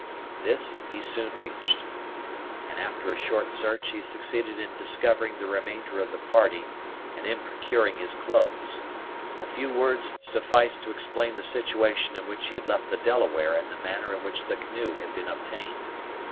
This he soon reached; and after a short search he succeeded in discovering the remainder of the party and in procuring his clothes. A few words sufficed to explain the situation in which he had left the Delaware and the manner in which the canoe had been obtained.